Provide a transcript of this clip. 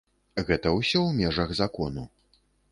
Гэта ўсё ў межах закону.